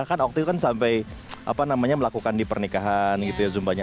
kan waktu itu kan sampai melakukan di pernikahan gitu ya zumbanya